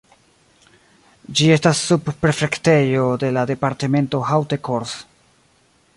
Ĝi estas subprefektejo de la departemento Haute-Corse.